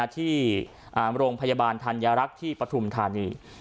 ที่โรงพยาบาลธัญรักษ์ที่ปฐุมธานี